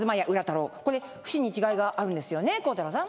これ節に違いがあるんですよね孝太郎さん。